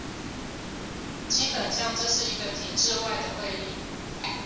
基本上這是一個體制外的會議